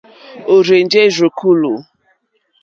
Ó rzènjé rzùkúlù.